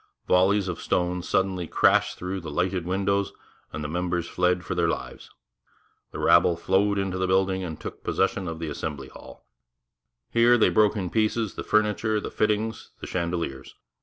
Volleys of stones suddenly crashed through the lighted windows, and the members fled for their lives. The rabble flowed into the building and took possession of the Assembly hall. Here they broke in pieces the furniture, the fittings, the chandeliers.